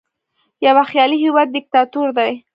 یوه خیالي هیواد دیکتاتور دی.